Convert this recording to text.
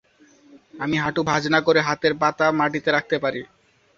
আমি হাঁটু ভাজ না করে হাতের পাতা মাটিতে রাখতে পারি।